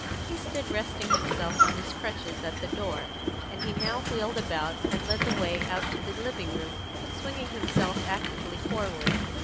He stood resting himself on his crutches at the door, and he now wheeled about, and led the way out to the living room, swinging himself actively forward.